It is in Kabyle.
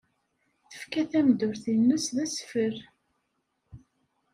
Tefka tameddurt-nnes d asfel.